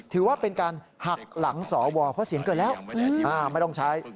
ถือว่าเป็นการหักหลังสวเพราะเสียงเกิดแล้วไม่ต้องใช้